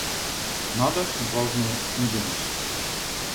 Надо, главное, не думать.